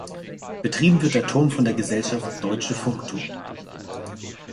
Betrieben wird der Turm von der Gesellschaft Deutsche Funkturm.